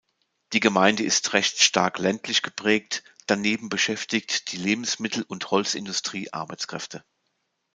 Die Gemeinde ist recht stark ländlich geprägt, daneben beschäftigt die Lebensmittel- und Holzindustrie Arbeitskräfte.